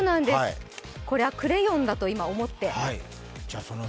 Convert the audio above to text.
これはクレヨンだと今は思って。